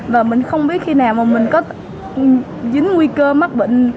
và mình không biết khi nào mà mình có dính nguy cơ mắc bệnh